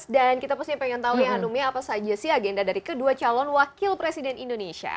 dan kita pasti ingin tahu ya anumnya apa saja sih agenda dari kedua calon wakil presiden indonesia